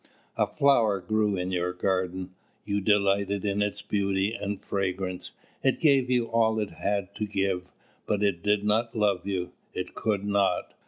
A flower grew in your garden. You delighted in its beauty and fragrance. It gave you all it had to give, but it did not love you. It could not.